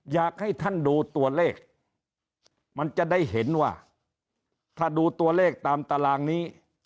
อยากให้ท่านดูตัวเลขมันจะได้เห็นว่าถ้าดูตัวเลขตามตารางนี้